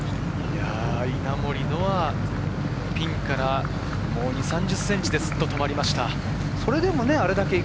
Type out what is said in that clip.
稲森のはピンから２０３０ｃｍでスッと止まりました。